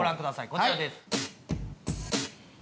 こちらです。